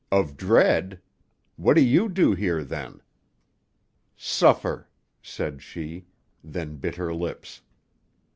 "Of dread? What do you do here, then?" "Suffer," said she. Then bit her lips.